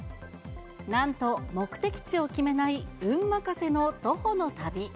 なんと目的地を決めない運任せの徒歩の旅。